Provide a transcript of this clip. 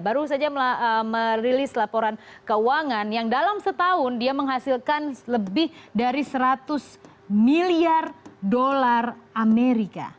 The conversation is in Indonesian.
baru saja merilis laporan keuangan yang dalam setahun dia menghasilkan lebih dari seratus miliar dolar amerika